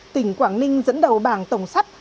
tỉnh quảng ninh dẫn đầu bảng tổng sắt